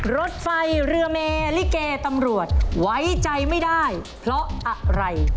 รถไฟเรือเมลิเกตำรวจไว้ใจไม่ได้เพราะอะไร